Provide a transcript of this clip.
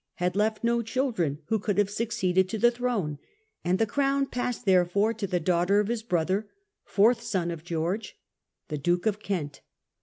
had left no children who could have succeeded to the throne, and the crown passed therefore to the daughter of his brother (fourth son of George), the Duke of Kent.